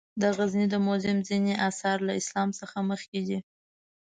د غزني د موزیم ځینې آثار له اسلام څخه مخکې دي.